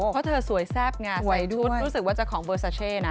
เพราะเธอสวยแซ่บไงใส่ชุดรู้สึกว่าจะของเบอร์ซาเช่นะ